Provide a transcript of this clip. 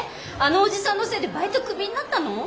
あのおじさんのせいでバイトクビになったの？